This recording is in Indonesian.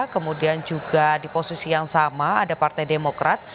kemudian juga di posisi yang sama ada partai demokrat